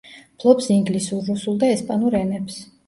ფლობს ინგლისურ, რუსულ და ესპანურ ენებს.